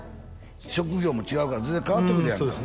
職業も違うから全然変わってくるやんか